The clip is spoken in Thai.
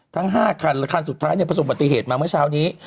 ทั้ง๕คันและคันสุดท้ายประสบปฏิเหตุมาเมื่อเช้านี้